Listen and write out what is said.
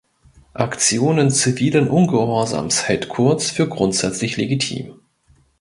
Aktionen zivilen Ungehorsams hält Kurz für grundsätzlich legitim.